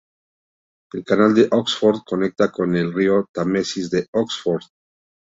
El Canal de Oxford conecta con el río Támesis en Oxford.